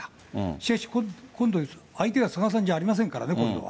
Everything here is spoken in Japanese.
しかし、今度相手が菅さんじゃありませんからね、今度は。